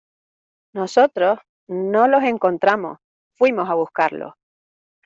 nosotros no los encontramos, fuimos a buscarlos.